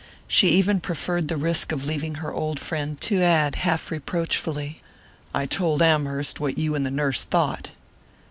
She even preferred the risk of leaving her old friend to add half reproachfully: "I told Amherst what you and the nurse thought."